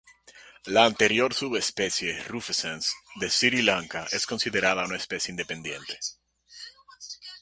La anterior subespecie "rufescens" de Sri Lanka es considerada una especie independiente.